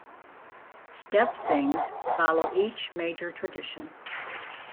Step Sings follow each major tradition.